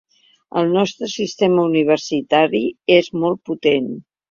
El nostre sistema universitari és molt potent.